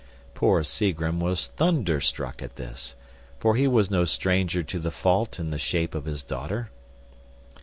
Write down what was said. Poor Seagrim was thunderstruck at this; for he was no stranger to the fault in the shape of his daughter.